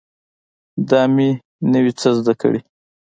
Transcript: دا مې نوي څه زده کړي